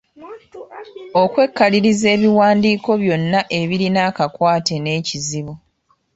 Okwekakaliriza ebiwandiiko byonna ebirina akakwate n’ekizibu